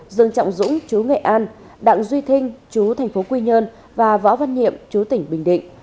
dương trọng dũng chú nghệ an đa dạng duy thinh chú tp quy nhơn và võ văn nhiệm chú tỉnh bình định